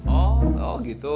oh oh gitu